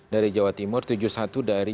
dari jawa timur tujuh puluh satu dari